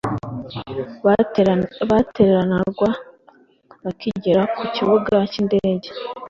batereranwa bakigera ku kibuga cy’indege